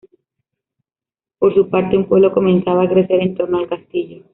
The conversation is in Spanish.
Por su parte, un pueblo comenzaba a crecer en torno al castillo.